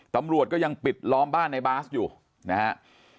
ตำรวจก็ยังปิดล้อมบ้านในบาสอยู่นะฮะ